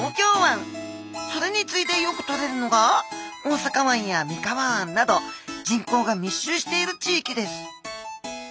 それに次いでよく取れるのが大阪湾や三河湾など人口が密集している地域です。